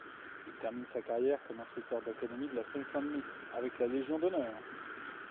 Il termine sa carrière comme inspecteur d'Académie de la Seine-Saint-Denis, avec la Légion d'honneur.